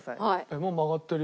もう曲がってるよ。